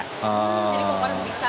jadi kompor di pisah